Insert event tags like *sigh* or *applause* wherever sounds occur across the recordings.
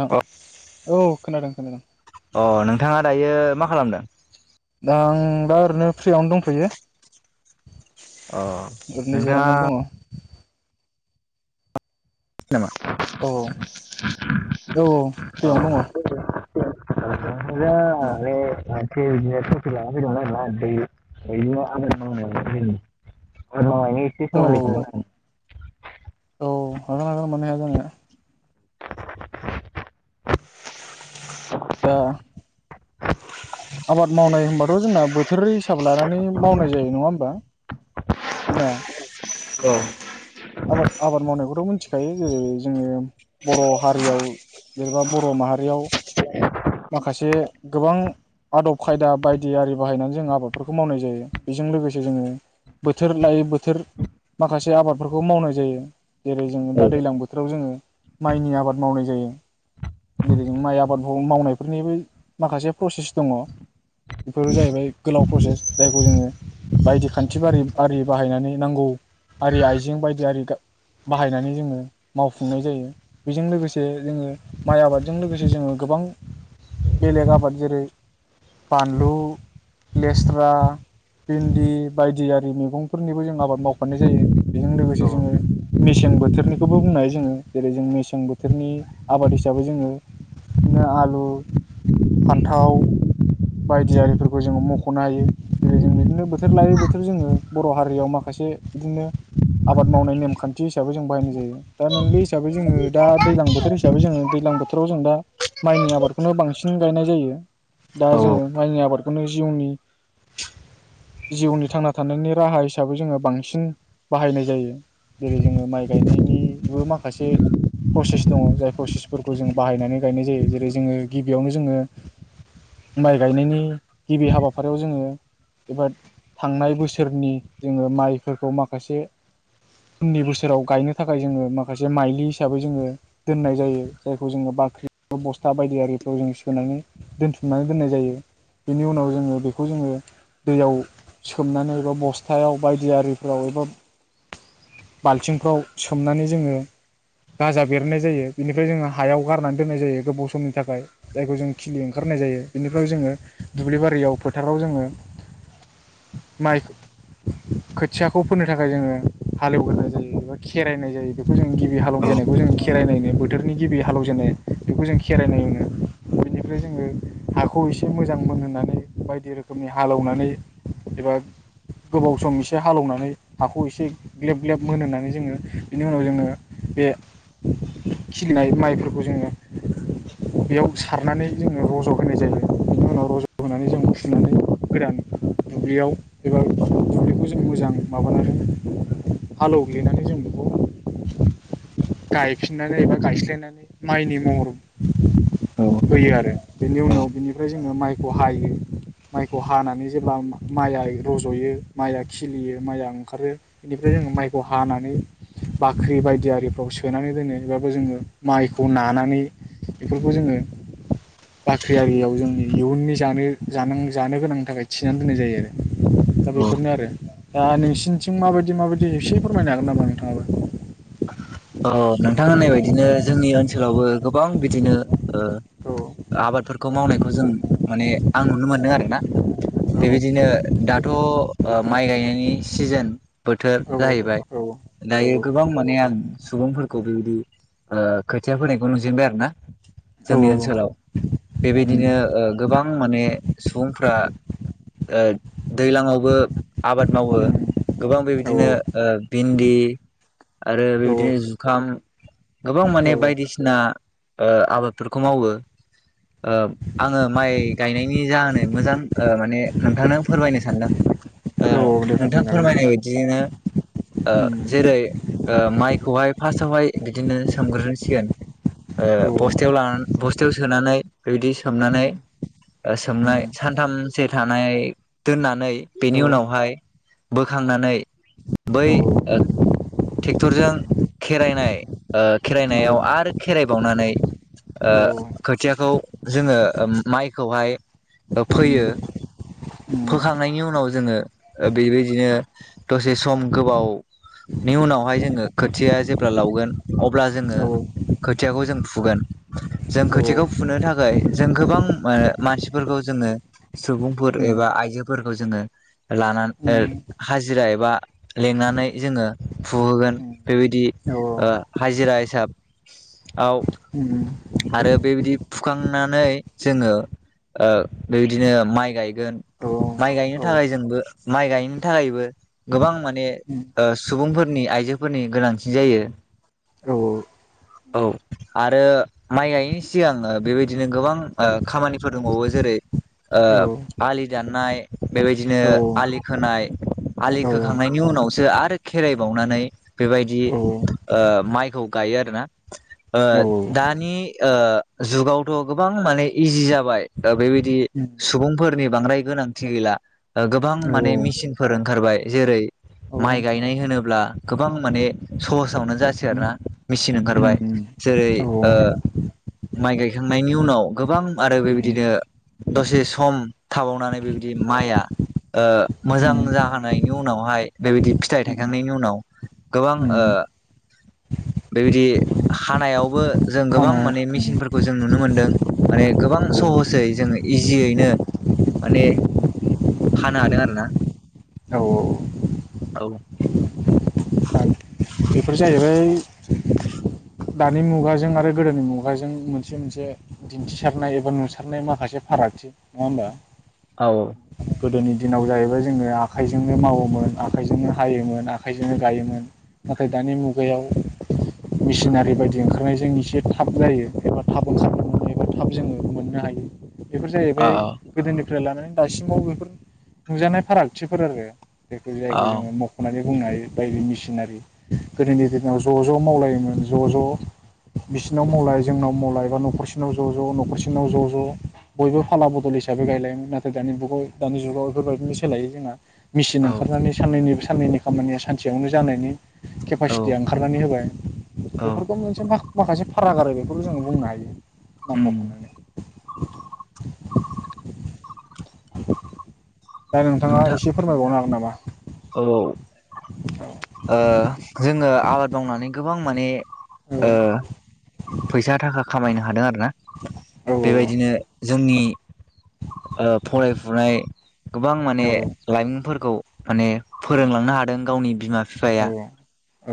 नों अ औ खोनादों खोनादों। अ नोंथाङा दायो मा खालामदों? दा आं दा ओरैनो फ्रियावनो दंथयो अ ओरैनो नोंथाङा जिरायनानै दङ औ नामा? औ औ फ्रियावनो दङ'। *inaudible* ओरैनो औ बे ओ *unintelligible* लाना फैदोंमोन आरोना *unintelligible* आबाद मावनायाव औ *unintelligible* *unintelligible* औ औ हागोन हागोन मानो हाया जानो दा *inaudible* आबाद मावनाय होनबाथ' जोंना बोथोरनि हिसाबै लानानै मावनाय जायो नङा होमबा ना। औ आबाद आबाद मावनायखौथ' मिथिखायो जेरै जोङो बर' हारियाव जेनेबा बर' माहारियाव माखासे गोबां आदब खायदा बायदि आरि बाहायनानै जों आबादफोरखौ मावनाय जायो बेजों लोगोसे जोङो बोथोर लायै बोथोर माखासे आबादफोरखौ मावनाय जायो जेरै जोङो दा दैलां बोथोराव जोङो माइनि आबाद मावनाय जायो जेरै माइ आबादखौ मावनाय बेफोरनिबो माखासे प्रसेस दङ'। बेफोरो जाहैबाय गोलाव प्रसेस जायखौ जोङो बायदि खान्थि बारि आरि बाहायनानै नांगौ आरि आइजें बायदि आरि गा बाहायनानै जोङो मावफुंनाय जायो। बेजों लोगोसे जोङो माइ आबादजों लोगोसे जोङो गोबां बेलेग आबाद जेरै बानलु लेस्रा भिन्दि बायदि आरि मैगंफोरनिबो जों आबाद मावफानाय जायो बेजों लोगोसे जोङो मेसें बोथोरनिखौबो बुंनो हायो जोङो जेरै जों मेसें बोथोरनि आबाद हिसाबै जोङो बिदिनो आलु फान्थाव बायदि आरिफोरखौ जोङो मख'नो हायो जेरै जों बिदिनो बोथोर लायै बोथोर जोङो बर' हारियाव माखासे बिदिनो आबाद मावनाय नेमखान्थि हिसाबै जों बाहायनाय जायो दा मेनलि हिसाबै जोङो दा दैज्लां बोथोर हिसाबै जोङो दैज्लां बोथोराव जों दा माइनि आबाद खौनो बांसिन गायनाय जायो दा औ जोङो माइनि आबादखौनो जिउनि जिउनि थांना थानायनि राहा हिसाबै जोङो बांसिन बाहायनाय जायो जेरै जोङो माइ गायनायनिबो माखासे प्रसेस दङ जाय प्रसेसफोरखौ जों बाहायनानै गायनाय जायो जेरै जोङो गिबियावनो जोङो माइ गायनायनि गिबि हाबाफारियाव जोङो एबा थांनाय बोसोरनि जोङो माइफोरखौ माखासे उननि बोसोराव गायनो थाखाय जोङो माखासे माइलि हिसाबै जोङो दोननाय जायो जायखौ जोङो बाख्रि बस्था बायदियारि खौ जों सोनानै दोनथुमनानै दोननाय जायो। बेनि उनाव जोङो बेखौ जोङो दैयाव सोमनानै एबा बस्थायाव बायदि आरिफोराव एबा बाल्थिंफ्राव सोमनानै जोङो गाजा बेरहोनाय जायो। बेनिफ्राय जोङो हायाव गारनानै दोननाय जायो गोबाव समनि थाखाय। जायखौ जों खिलि ओंखारहोनाय जायो। बेनिफ्राय जोङो दुब्लि बारियाव फोथाराव जोङो माइ खोथियाखौ फोनो थाखाय जोङो हालेवग्रोनाय जायो एबा खेरायनाय जायो बेखौ जों गिबि हालौ औ जेननायखौ जोङो खेराइ नाय होनो बोथोरनि गिबि हालेवजेननाय बेखौ जों खेराइनाय होनो। बेनिफ्राय जोङो हाखौ एसे मोजां मोनहोनानै बायदि रोखोमनि हालौनानै एबा गोबाव सम एसे हालौनानै हाखौ एसे ग्लेब ग्लेब मोनहोनानै जोङो बेनि उनाव जोङो बे खिलिनाय माइफोरखौ जोङो बेयाव सारनानै जोङो रज' होनाय जायो बेनि उनाव रज' होनानै जों फुनानै गोदान दुब्लियाव एबा दुब्लिखौ जों मोजां माबानानै हालौवग्लिनानै जों बेखौ गायफिननानै एबा गायस्लायनानै माइनि महर औ फोयो आरो। बेनि उनाव बिनिफ्राय जोङो माइखौ हायो माइखौ हानानै जेब्ला माइया रज'यो माइया खिलियो माइया ओंखारो बेनिफ्राय जोङो माइखौ हानानै बाख्रि बायदि आरिफ्राव सोनानै दोनो एबा जोङो माइखौ नानानै बेफोरखौ जोङो बाख्रि आरियाव जोंनि इयुननि जानो जानां जानो गोनांनि थाखाय थिनानै दोननाय जायो आरो दा बेफोरनो आरो। दा नोंसिनिथिं माबायदि माबायदि एसे फोरमायनो हागोन नामा नोंथाङाबो? अ नोंथां होननाय बायदिनो जोंनि ओनसोलावबो गोबां बिदिनो ओ औ आबादफोरखौ मावनायखौ जों माने आं नुनो मोनदों आरोना बेबायदिनो दाथ' माइ गायनायनि सिजोन बोथोर औ जाहैबाय दायो औ गोबां माने आं सुबुंफोरखौ बेबायदि ओ खोथिया फोनायखौ नुजेनबाय आरो ना। जोंनि औ औ ओनसोलाव उम बेबायदिनो ओ गोबां माने सुबुंफ्रा ओ दैलांआवबो आबाद मावो उम गोबां औ बेबायदिनो भिन्दि आरो औ बेबायदि दिनो जुखाम गोबां औ माने बायदिसिना ओ आबादफोरखौ मावो ओ आङो माइ गायनायनि जाहोनै मोजां ओ माने नोंथांनो फोरमायनो सानदों औ ओ दे नोंथां फोरमायनो फोरमायनाय बायदिनो हागोन ओ दे उम जेरै ओ माइ *unintelligible* खौहाय फार्स्टआवहाय बिदिनो सोमग्रोसिगोन ओ औ औ बस्थायाव लानानै बस्थायाव सोनानै बेबायदि सोमनानै उम सोमनाय सानथामसो थानाय दोननानै बेनि औ उनावहाय बोखांनानै बै औ उम औ उम औ उम औ उम औ उम ओ ट्रेक्टरजों खेरायनाय ओ औ औ उम औ खेरायनायाव आरो खेरायबावनानै ओ खोथियाखौ जोङो माइखौहाय फोयो। फोखांनायनि उनाव जोङो बेबायदिनो दसे सम गोबावनि उनावहाय जोङो खोथिया जेब्ला लावगोन अब्ला जोङो खोथियाखौ जों फुगोन जों खोथियाखौ फुनो थाखाय जों गोबां मानसिफोरखौ जोङो सुबुंफोर एबा आइजोफोरखौ जोङो लाना उम हाजिरा एबा लेंनानै जोङो फुहोगोन बेबायदि ओ हाजिरा हिसाब आव आरो बेबायदि फुखांनानै जोङो ओ बेबादिनो माइ गाय माइ गायनो थाखाय जोंबो माइ गायनो थाखायबो गोबां माने सुबुंफोरनि आइजोफोरनि गोनांथि जायो औ आरो माइ गायैनि सिगां बेबायदिनो गोबां खामानिफोर दंबावो जेरै ओ। लि दाननाय बेबायदिनो आलि खोनाय आलि खोखांनायनि उनावसो आरो खेराइ बावनानै बेबायदि ओ माइखौ गायो आरोना ओ दानि ओ जुगावथ गोबां माने इजि जाबाय। दा बेबायदि सुबुं फोरनि बांद्राय गोनांथि गैला ओ गोबां माने मेसिनफोर ओंखारबाय जेरै माइ गायनाय होनोब्ला गोबां माने सहसावनो जासै आरो ना मेचिन ओंखारबाय जेरै ओ माइ गायखांनायनि उनाव गोबां आरो बेबायदिनो दसे सम थाबावनानै बेबायदि माइआ ओ मोजां जाहांनायनि उनावहाय बेबायदि फिथाइ उम थायखांनायनि उनाव गोबां ओ उम बेबायदि हानायावबो जों गोबां हानाय माने उम मेचिनफोरखौ जों नुनो मोनदों। माने गोबां औ सहसै जों इजियैनो माने खानो हादों आरो ना। औ औ बेफोर जाहैबाय *unintelligible* दानि मुगाजों आरो गोदोनि मुगाजों मोनसे मोनसे दिन्थिसारनाय एबा नुसारनाय माखासे फारागथि नङा होमबा। औ गोदोनि दिनाव जाहैबाय जोङो आखाइजोंनो मावोमोन आखाइजोंनो हायोमोन आखाइजोंनो गायोमोन। दानि मुगायाव मेसिनारि बायदि ओंखारनायजों एसे थाब जायो थाब थाब थाब जोङो मोननो हायो। बेफोर जाहैबाय गोदोनि फ्राय लानानै दासिमाव बेफोर नुजानाय फारागथिफोर आरो बेखौ औ जायखौ जोङो मखनानै बुंनो हायो बायदि मेसिनारि गोदोनि दिनाव ज ज मावलायोमोन ज ज बिसिनाव मावलाय जोंनाव मावलाय बा नखरसेनाव ज ज नखरसिनाव ज ज बयबो फाला बदल हिसाबै गायलायोमोन नाथाय दानि जुगाव दानि जुगाव बेफोरबायदिनो सोलायै जोंङो मिसिन ओंखारनानै साननैनिब साननैनि खामानिया सानसेयावनो जानायनि औ केपासिटिया ओंखारनानै होबाय औ बेफोरखौ मोनसे माखासे फाराग आरो बेखौबो जोङो बुंनो हायो नाम उम मख'नानै। *unintelligible* *unintelligible* दा नोंथाङा नोंथां एसे फोरमायबावनो हागोन नामा औ औ ओ जोङो आबाद मावनानै गोबां माने औ ओ फैसा थाखा खामायनो हादों आरोना औ बेबायदिनो जोंनि ओ फरायफुनाय गोबां औ माने लाइमोनफोरखौ माने फोरोंलांनो हादों गावनि बिमा औ बिफाया,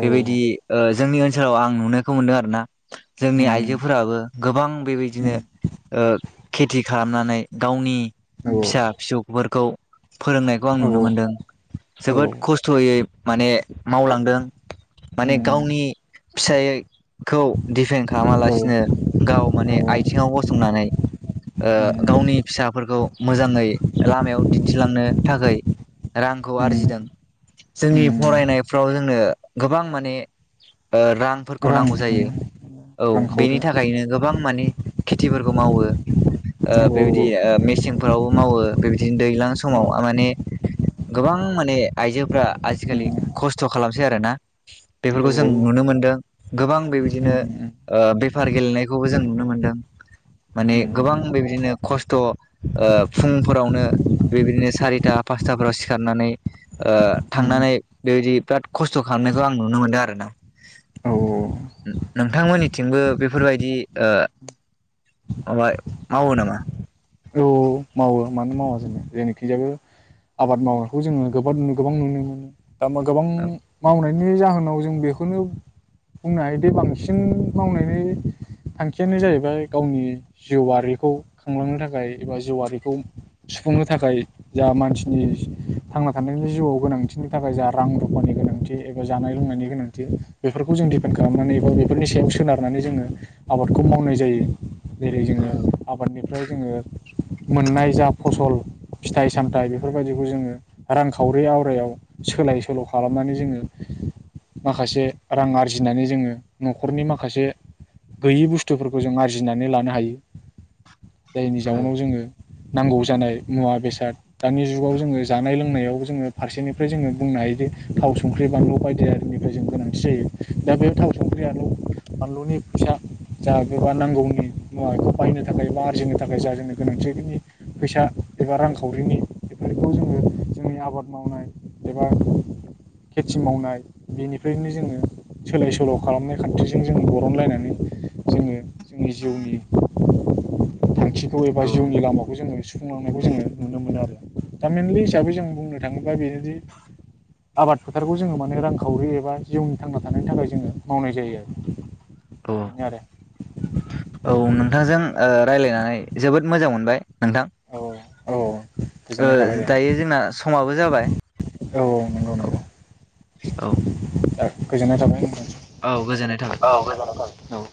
औ ओ जोंनि ओन जेराव आं नुनायखौ मोनदों आरो ना जोंनि उम आइजोफोराबो गोबां बेबायदिनो उम ओ खेथि खालामनानै गावनि औ फिसा फिसौफोरखौ फोरोंनायखौ आं औ नुनो मोन्दों औ जोबोद खस्थयै माने मावलांदों माने उम गावनि फिसायै खौ दिफेन औ खालामालासिनो गाव माने औ औ आथिङाव गसंनानै ओ उम गावनि फिसाफोरखौ मोजाङै लामायाव दिन्थिलांनो थाखाय रांखौ उम आरजिदों जोंनि उम फरायनायफ्राव जोङो, गोबां माने ओ रांफोरखौ रां नांगौ उम जायो औ रांखावरि बेनि थाखायनो गोबां माने खेथिफोरखौ मावो ओ औ बेबायदि ओ मेसेंफोरावबो मावो बेबायदिनो दैज्लां औ समाव माने गोबां माने आइजोफ्रा आजिखालि उम खस्थ खालाम सै आरो ना। औ बेफोरखौ जों उम नुनो मोनदों गोबां बेबायदिनो उम ओ बेफार गेलेनायखौबो जों नुनो मोनदों, माने उम गोबां बेबादिनो खस्थ ओ फुंफोरावनो बेबायदिनो सारिता पासताफोराव सिखारनानै, ओ उम थांनानै बेबायदि बिराद खस्थ खालामनायखौ आं नुनो मोनदों आरोना औ नोंथांमोननिथिंबो बेफोरबायदि ओ माबा मावो नामा? औ मावो मानो मावा जोङो जोंनिखैजायबो आबाद मावनायखौ जोङो गोबां-गोबां नुनो मोनो दा मा गोबां औ मावनाय बेनि जाहोनाव जों बेखौनो बुंनो हायोदि बांसिन मावनायनि थांखियानो जाहैबाय गावनि जिउआरिखौ खुंलांनो थाखाय एबा जिउआरिखौ सुफुंनो थाखाय जा मानसिनि थांना थानायनि जिउआव गोनांथिनि थाखाय जा रां रुफानि गोनांथि एबा जानाय लोंनायनि गोनांथि बेफोरखौ जों दिपेन्ड खालामनानै एबा बेफोरनि सायाव सोनारनानै जोङो आबादखौ मावनाय जायो। जेरै जोङो आबादनिफ्राय जोङो मोननाय जा फसल फिथाइ सामथाइ बेफोरबायदिखौ जोङो रांखावरि आवरायाव सोलाय सोल खालामनानै जोङो माखासे रां आरजिनानै जोङो नखरनि माखासे गैयि बुस्थुफोरखौ जों आरजिनानै लानो हायो। जायनि औ जाउनाव ज नांगौ जानाय मुवा बेसाद दानि जुगाव जोङो जानाय लोंनायाव जोङो फारसेनिफ्राय जोङो बुंनो हायोदि थाव संख्रि बानलु बायदिनिफ्राय जों गोनांथि जायो दा बे थाव संख्रि बानलु बानलुनि फैसा जा गोबा नांगौनि मुवा बेखौ बाहायनो थाखाय बा आरजिनो थाखाय जा जों गोनांथियारिनि फैसा एबा रांखावरिनि बेफोरखौ जोङो जोंनि आबाद मावनाय एबा खेथि मावनाय बेनिफ्रायनो जोङो सोलाय सोल खालामनाय खान्थिजों जोङो बरनलायनानै जोङो जोंनि जिउनि थांखि बा औ जिउनि लामाखौ जोङो सुुंफुंलांनायखौ जोङो नुनो मोनो आरो दा मेनलि हिसाबै जों बुंनो थाङोब्ला बेनोदि आबाद फोथारखौ जोङो माने रांखावरि एबा जिउनि थांना थानायनि थाखाय जोङो मावनाय जायो आरो औ बेनो आरो औ नोंथांजों ओ रायलायनानै जोबोद मोजां मोनबाय नोंथां औ औ ओ गोजोननाय थाबाय दे दायो जोंना समाबो जाबाय औ नंगौ औ नंगौ औ गोजोननाय थाबाय औ गोजोननाय थाबाय। औ